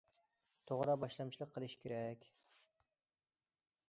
توغرا باشلامچىلىق قىلىش كېرەك.